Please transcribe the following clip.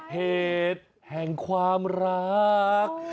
เหตุแห่งความรัก